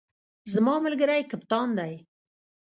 زما ملګری کپتان دی